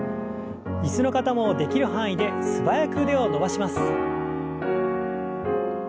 椅子の方もできる範囲で素早く腕を伸ばします。